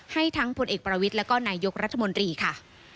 ให้ทั้งพลเอกประวิทย์แล้วก็นายกรัฐมนตรีค่ะ